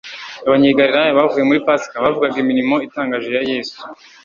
Abanyegalilaya bavuye muri Pasika, bavugaga imirimo itangaje ya Yesu.